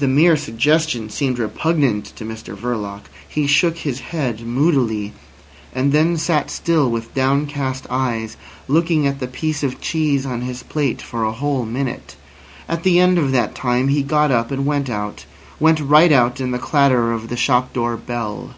The mere suggestion seemed repugnant to Mr Verloc. He shook his head moodily, and then sat still with downcast eyes, looking at the piece of cheese on his plate for a whole minute. At the end of that time he got up, and went out—went right out in the clatter of the shop door bell.